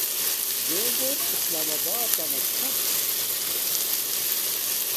میے گور اسلام آبات تنا چھا